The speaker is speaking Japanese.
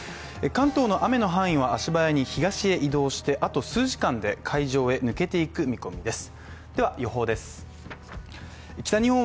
関東の雨の範囲は足早に東へ移動してあと数時間で海上へ抜けていく見込みです。